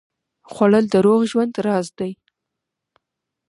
خوړل د روغ ژوند راز دی